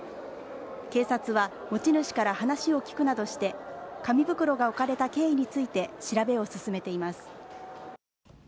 警察は持ち主から話を聞くなどして紙袋が置かれた経緯について調べを進めています。